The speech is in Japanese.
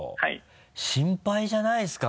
心配じゃないですか？